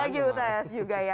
lagi uts juga ya